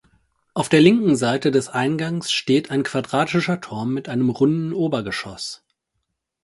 Auf der linken Seite des Eingangs steht ein quadratischer Turm mit einem runden Obergeschoss.